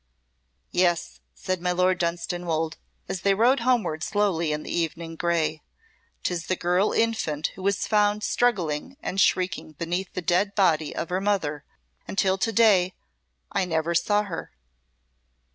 "Yes," said my Lord Dunstanwolde, as they rode homeward slowly in the evening gray, "'tis the girl infant who was found struggling and shrieking beneath the dead body of her mother, and till to day I never saw her.